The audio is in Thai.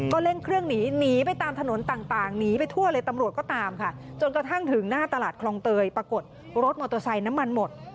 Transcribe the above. เร่งเครื่องหนีหนีไปตามถนนต่างหนีไปทั่วเลยตำรวจก็ตามค่ะจนกระทั่งถึงหน้าตลาดคลองเตยปรากฏรถมอเตอร์ไซค์น้ำมันหมด